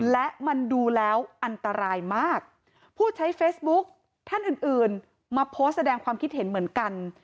และมันดูแล้วอันตรายมากผู้ใช้เฟซบุ๊กท่านอื่นอื่นมาโพสต์แสดงความคิดเห็นเหมือนกัน